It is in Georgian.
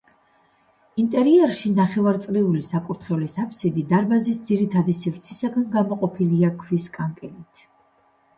ინტერიერში ნახევარწრიული საკურთხევლის აფსიდი დარბაზის ძირითადი სივრცისგან გამოყოფილია ქვის კანკელით.